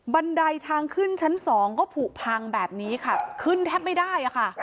บันไดทางขึ้นชั้นสองก็ผูกพังแบบนี้ค่ะขึ้นแทบไม่ได้อะค่ะ